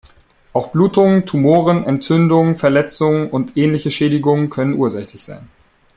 Auch Blutungen, Tumoren, Entzündungen, Verletzungen und ähnliche Schädigungen können ursächlich sein.